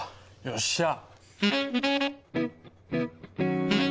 よっしゃ。